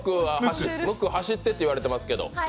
ムック、走ってって言われてますけど。